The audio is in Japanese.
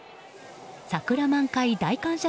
桜満開大感謝